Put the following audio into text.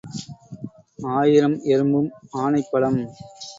ஆயிரம் எறும்பும் ஆனைப்பலம்.